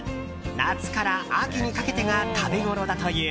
夏から秋にかけてが食べごろだという。